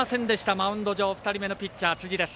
マウンド上、２人目のピッチャー辻です。